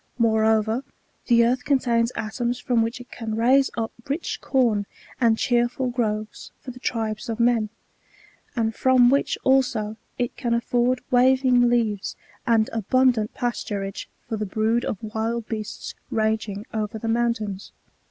Moreover, the earth contains atoms from which it can raise up rich com and cheerful groves for the tribes of men ; and from which also it can afford waving leaves and abundant pasturage for the brood of wild beasts ranging over the mountains.